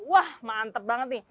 wah mantep banget nih